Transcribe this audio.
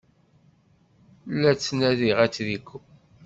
La d-ttnadiɣ atriku.